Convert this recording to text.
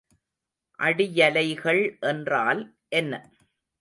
அடியலைகள் என்றால் என்ன?